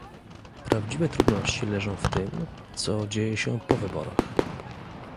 Prawdziwe trudności leżą w tym, co dzieje się po wyborach